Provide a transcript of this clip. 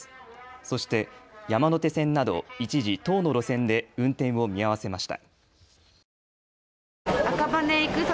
そして山手線など一時、１０の路線で運転を見合わせました。